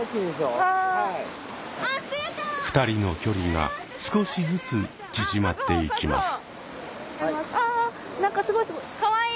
２人の距離が少しずつ縮まっていきます。